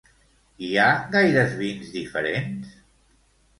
Hi ha gaires vins diferents?